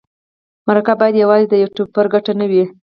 مرکه باید یوازې د یوټوبر ګټه نه وي.